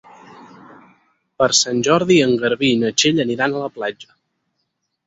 Per Sant Jordi en Garbí i na Txell aniran a la platja.